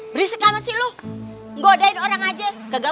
berisik ama si lu ngodain orang aja